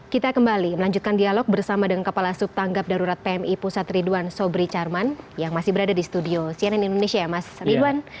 kita kembali melanjutkan dialog bersama dengan kepala subtanggap darurat pmi pusat ridwan sobri charman yang masih berada di studio cnn indonesia ya mas ridwan